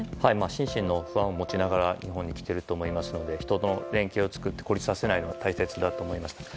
心身の不安を持ちながら日本に来ていると思いますので人の連携を作って孤立させないのは大切だと思いました。